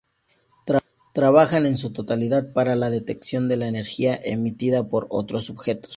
Trabajan en su totalidad para la detección de la energía emitida por otros objetos.